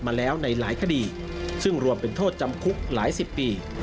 มาแล้วในหลายคดีซึ่งรวมเป็นโทษจำคุกหลายสิบปี